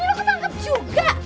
jadi lo ketangkep juga